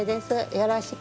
よろしく。